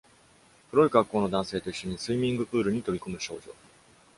黒い格好の男性と一緒にスイミングプールに飛び込む少女。